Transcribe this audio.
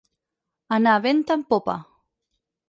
Anar vent en popa.